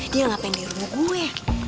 dia ngapain di rumah gue